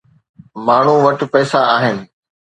ماڻهو وٽ پئسا آهن.